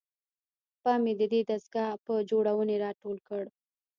پام مې ددې دستګاه پر جوړونې راټول کړ.